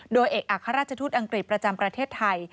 โดยเอกอัครราชทูตอังกฤษประจำประเทศไทย